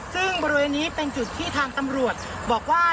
ซึ่งบริเวณนี้เป็นจุดที่ทางตำรวจบอกว่า